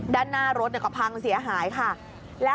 ด้านหน้ารถก็พังเสียหายค่ะ